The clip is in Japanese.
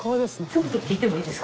ちょっと聞いてもいいですか？